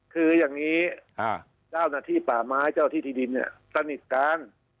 คืออย่างนี้เจ้าหน้าที่ป่าไม้เจ้าที่ที่ดินเนี่ยสนิทกัน